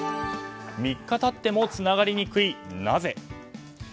３日経ってもつながりにくいなぜ？